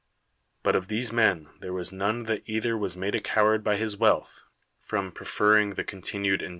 But of these men there was none that either was made a coward by his wealth, from prefer ring th' eontinucd cn.'